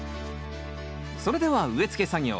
それでは植え付け作業。